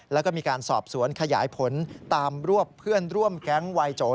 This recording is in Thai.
แล้วก็มีการสอบสวนขยายผลตามรวบเพื่อนร่วมแก๊งวัยโจ